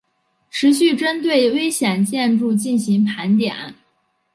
持续针对危险建筑进行盘点